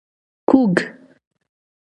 کوږ